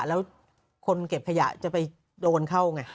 แล้วคนเห็นจะไปโดนเข้าไง